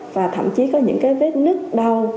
và thậm chí có những cái vết nứt đau